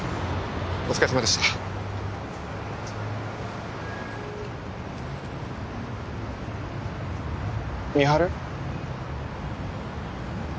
お疲れさまでした美晴？